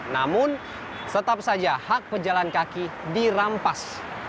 namun tetap saja hak pejalan kaki dirampas